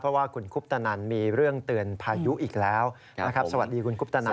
เพราะว่าคุณคุปตนันมีเรื่องเตือนพายุอีกแล้วนะครับสวัสดีคุณคุปตนัน